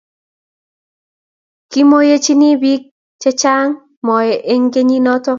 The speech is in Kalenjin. kimoyechini biik che chang' moe eng' kenyit noto